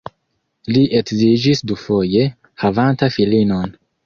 Li edziĝis dufoje, havanta filinon.